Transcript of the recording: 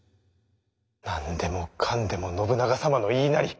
何でもかんでも信長様の言いなり。